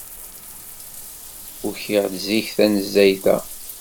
Ukiɣ-d zik tanezzayt-a.